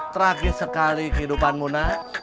tragis sekali kehidupanmu nak